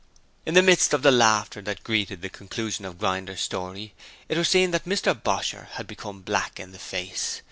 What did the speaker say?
"' In the midst of the laughter that greeted the conclusion of Grinder's story it was seen that Mr Bosher had become black in the face.